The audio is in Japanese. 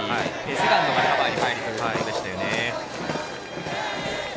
セカンドがカバーに入るというところでした。